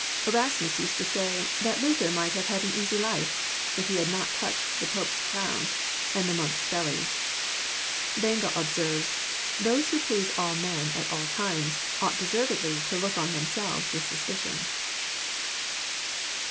Erasmus used to say, that Luther might have had an easy life, if he had not touched the Pope's crown, and the monks* bel lies. Bengel observes, Those who please all men, at all times, ought deservedly to look on themselves with suspicion."